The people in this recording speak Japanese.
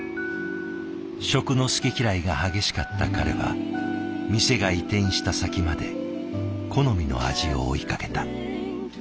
食の好き嫌いが激しかった彼は店が移転した先まで好みの味を追いかけた。